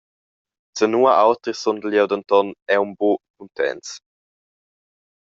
Zanua auter sundel jeu denton aunc buca cuntents.